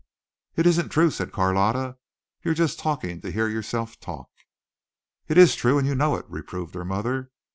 "It isn't true," said Carlotta. "You're just talking to hear yourself talk." "It is true and you know it," reproved her mother.